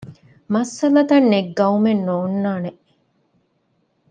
މައްސަލަތައް ނެތް ގައުމެއް ނޯންނާނެ